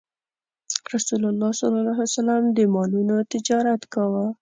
رسول الله ﷺ د مالونو تجارت کاوه.